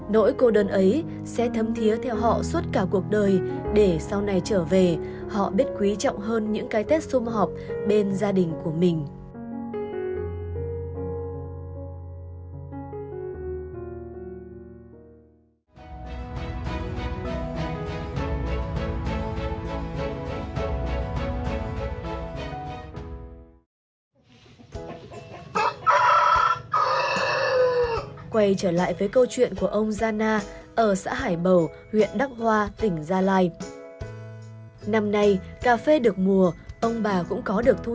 nỗi cô đơn ấy sẽ thấm thiế theo họ suốt cả cuộc đời để sau này trở về họ biết quý trọng hơn những cái tết xung họp bên gia đình của mình